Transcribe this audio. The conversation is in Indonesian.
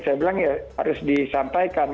saya bilang ya harus disampaikan